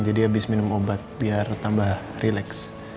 jadi habis minum obat biar tambah relax